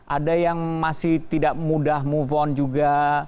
ada yang masih tidak mudah move on juga